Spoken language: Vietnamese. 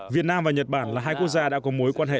việt nam và nhật bản là hai quốc gia đã có mối quan hệ